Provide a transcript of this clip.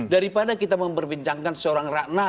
daripada kita membincangkan seorang rakanan